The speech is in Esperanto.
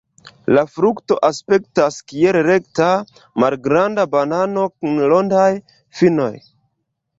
La frukto aspektas kiel rekta, malgranda banano kun rondaj finoj.